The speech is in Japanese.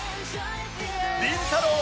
りんたろー。